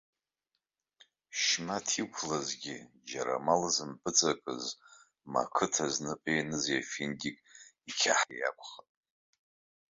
Шьмаҭ иқәлазгьы џьара амал зымпыҵакыз, ма ақыҭа знапы ианыз ефендик иқьаҳиа иакәхап.